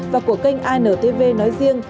và của kênh intv nói riêng